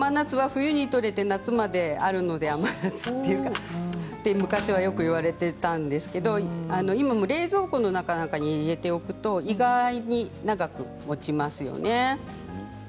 冬に取れて夏まであるので甘夏って昔はよく言われていたんですけどでも冷蔵庫の中に入れておくと意外に長くもちますよね。